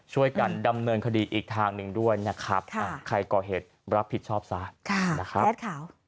ช่วยกันดำเนินคดีอีกทางหนึ่งด้วยนะครับใครก่อเหตุรับผิดชอบซะนะครับ